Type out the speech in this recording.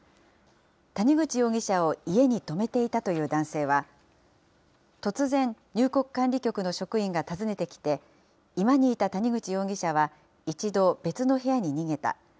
谷口容疑者を家に泊めていたという男性は、突然、入国管理局の職員が訪ねてきて、居間にいた谷口容疑者は、一度、別の部屋に逃げた。